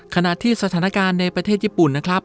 ขณะที่สถานการณ์ในประเทศญี่ปุ่นนะครับ